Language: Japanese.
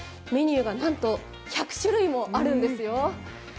メニューがなんと１００種類もあるんですよ。